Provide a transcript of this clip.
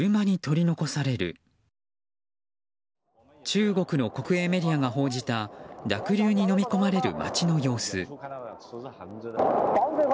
中国の国営メディアが報じた濁流にのみ込まれる街の様子。